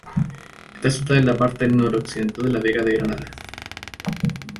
Está situada en la parte noroccidental de la Vega de Granada.